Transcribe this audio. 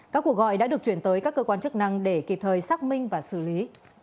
các cuộc gọi đã được chuyển tới các cơ quan chức năng để kịp thời xác minh và xử lý